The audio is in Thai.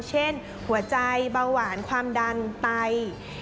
เช่นหัวใจเบาหวานความดันไต